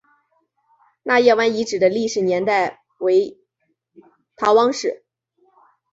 纳业湾遗址的历史年代为唐汪式。